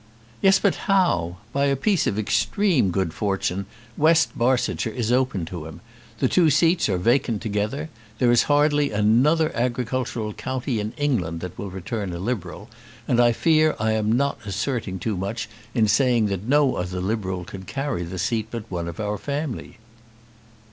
"Yes, but how? By a piece of extreme good fortune, West Barsetshire is open to him. The two seats are vacant together. There is hardly another agricultural county in England that will return a Liberal, and I fear I am not asserting too much in saying that no other Liberal could carry the seat but one of our family."